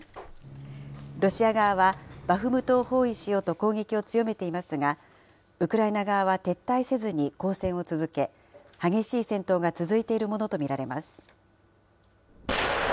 ロシア側は、バフムトを包囲しようと攻撃を強めていますが、ウクライナ側は撤退せずに抗戦を続け、激しい戦闘が続いているものと見られます。